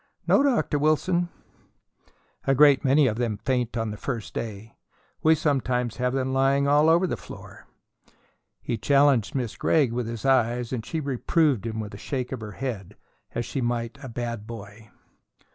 "No, Dr. Wilson." "A great many of them faint on the first day. We sometimes have them lying all over the floor." He challenged Miss Gregg with his eyes, and she reproved him with a shake of her head, as she might a bad boy.